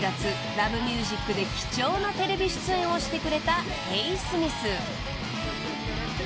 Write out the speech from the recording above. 『Ｌｏｖｅｍｕｓｉｃ』で貴重なテレビ出演をしてくれたＨＥＹ−ＳＭＩＴＨ］